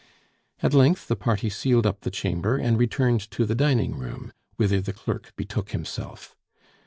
At length the party sealed up the chamber and returned to the dining room, whither the clerk betook himself.